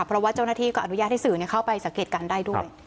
เพราะว่าเจ้าหน้าที่ก็อนุญาตให้สื่อเข้าไปสังเกตการณ์ได้ด้วย